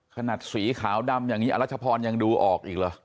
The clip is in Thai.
ขนาดสีขาวดำอย่างนี้อรัชพรยังดูออกอีกเหรอ